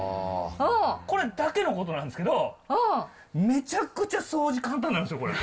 これだけのことなんですけど、めちゃくちゃ掃除簡単になるんですよ、これ。